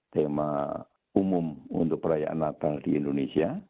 tema umum untuk perayaan natal di indonesia